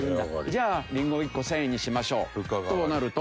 じゃありんごを１個１０００円にしましょうとなると。